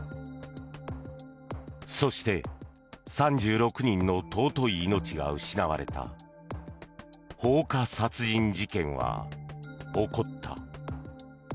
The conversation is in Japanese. そして３６人の尊い命が失われた放火殺人事件は起こった。